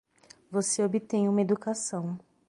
Você obtém uma educação.